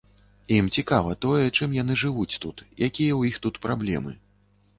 Ім цікава тое, чым яны жывуць тут, якія ў іх тут праблемы.